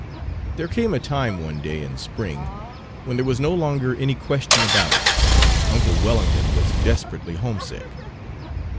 There came a time, one day in spring, when there was no longer any question about it: uncle Wellington was desperately homesick.